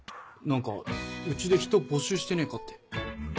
何かうちで人募集してねえかって。